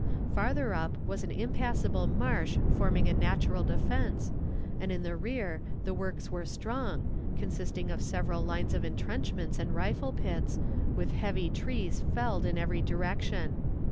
Farther up was an impassable marsh forming a natural defense, and in the rear the works were strong, consisting of several lines of intrenchments and rifle pits, with heavy trees felled in every direction.